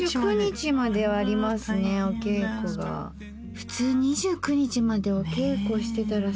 普通２９日までお稽古してたらさ